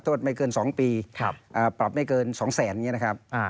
โทษไม่เกิน๒ปีปรับไม่เกิน๒๐๐๐๐๐บาทอย่างนี้นะครับ